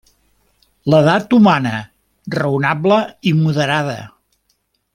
L'edat humana, raonable i moderada.